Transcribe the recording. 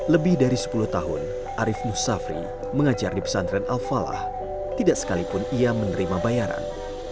lebih dari sepuluh tahun arief nusafri mengajar di pesantren al falah tidak sekalipun ia menerima bayaran